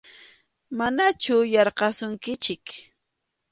Manachu yarqasunkichik.